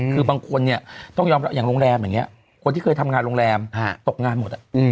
คือบางคนเนี่ยต้องยอมรับอย่างโรงแรมอย่างนี้คนที่เคยทำงานโรงแรมตกงานหมด